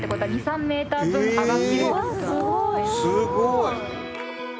すごい！